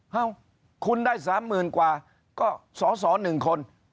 ห้าวคุณได้สามหมื่นกว่าก็สอหนึ่งคน